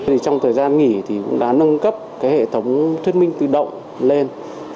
trong thời gian nghỉ đã nâng cấp hệ thống thuyết minh tự động lên